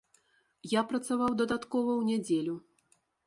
Я працаваў дадаткова ў нядзелю.